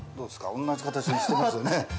同じ形してますよね？